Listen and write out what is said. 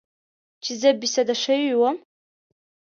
چې زه بې سده شوې وم.